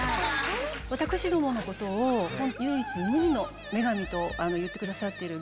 私どもを唯一無二の女神と言ってくださってる。